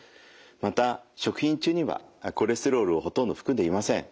また食品中にはコレステロールをほとんど含んでいません。